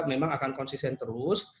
memang akan konsisten terus